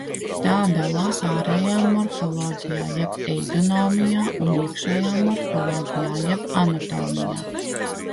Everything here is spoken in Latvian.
Tā dalās ārējā morfoloģijā jeb eidonomijā un iekšējā morfoloģijā jeb anatomijā.